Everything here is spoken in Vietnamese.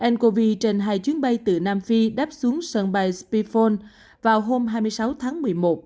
ncov trên hai chuyến bay từ nam phi đáp xuống sân bay spifone vào hôm hai mươi sáu tháng một mươi một